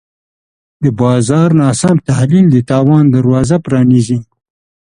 د بازار ناسم تحلیل د تاوان دروازه پرانیزي.